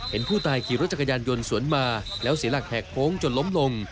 ผู้ตายขี่รถจักรยานยนต์สวนมาแล้วเสียหลักแหกโค้งจนล้มลง